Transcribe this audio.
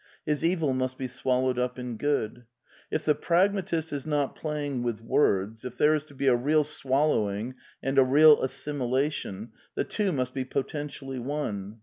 His evil must be swallowed up in good. If the pragmatist is not playing with words, if there is to be a real swallow ing and a real assimilation, the two must be potentially one.